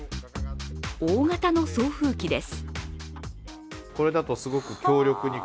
大型の送風機です。